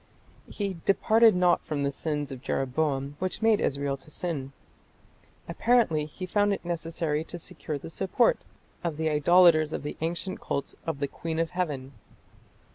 He departed not from the sins of Jeroboam, which made Israel to sin." Apparently he found it necessary to secure the support of the idolators of the ancient cult of the "Queen of Heaven".